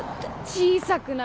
小さくなる。